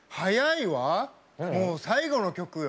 もう最後の曲よ。